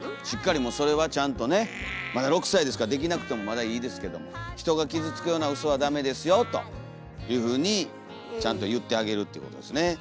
しっかりもうそれはちゃんとねまだ６歳ですからできなくてもまだいいですけども人が傷つくようなウソはダメですよというふうにちゃんと言ってあげるってことですね。